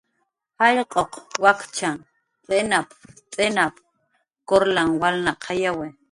"Jallq'uq wakchan t'inap"" t'inap"" kurlan walnaqayawi"